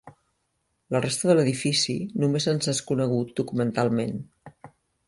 La resta de l'edifici només ens és conegut documentalment.